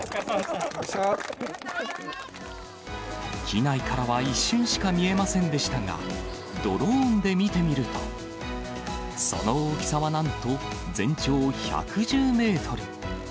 機内からは一瞬しか見えませんでしたが、ドローンで見てみると、その大きさはなんと、全長１１０メートル。